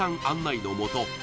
案内のもと